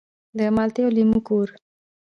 د مالټې او لیمو کور.